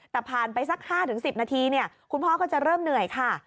แต่ผ่านไปสัก๕๑๐นาทีคุณพ่อก็จะเริ่มเหนื่อยค่ะ